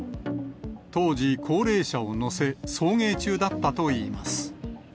当時、高齢者を乗せ、送迎中だったといいます。